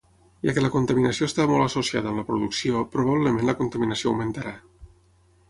Ja que la contaminació està molt associada amb la producció, probablement la contaminació augmentarà.